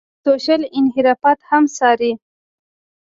سوشل انحرافات هم څاري.